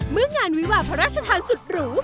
เมื่องานวิวาพระราชทานสุดหรู